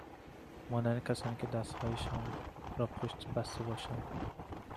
مانند کسانی که دستهایشان را پشت بسته باشند